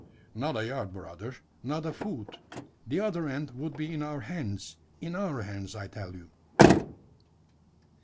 "Not a yard, brother not a foot. The other end would be in our hands in our hands, I tell you."